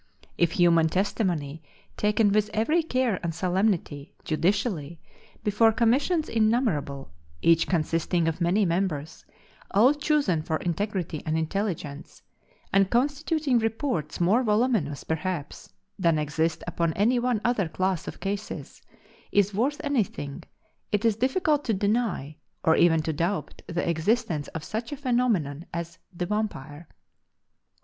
If human testimony, taken with every care and solemnity, judicially, before commissions innumerable, each consisting of many members, all chosen for integrity and intelligence, and constituting reports more voluminous perhaps than exist upon any one other class of cases, is worth anything, it is difficult to deny, or even to doubt the existence of such a phenomenon as the Vampire.